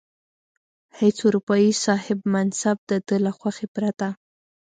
هیڅ اروپايي صاحب منصب د ده له خوښې پرته.